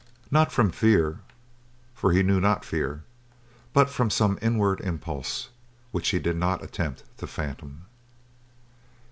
Not from fear, for he knew not fear, but from some inward impulse which he did not attempt to fathom.